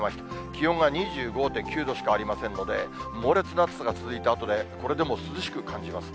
気温が２５．９度しかありませんので、猛烈な暑さが続いたあとで、これでも涼しく感じます。